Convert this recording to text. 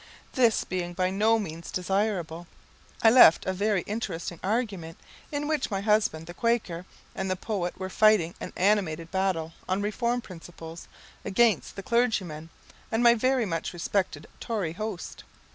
This being by no means desirable, I left a very interesting argument, in which my husband, the Quaker, and the poet were fighting an animated battle on reform principles, against the clergyman and my very much respected Tory host.